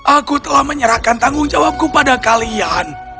aku telah menyerahkan tanggung jawabku pada kalian